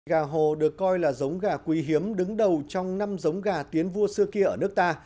gà hồ được coi là giống gà quý hiếm đứng đầu trong năm giống gà tiến vua xưa kia ở nước ta